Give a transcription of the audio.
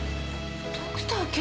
ドクターＫ！？